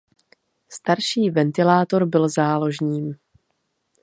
Starší ventilátor byl záložním.